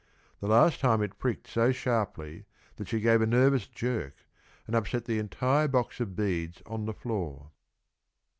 The last time it pricked so sharply that she gave a nervous jerk and upset the entire box of beads on the floor.